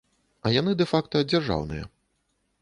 А яны дэ-факта дзяржаўныя.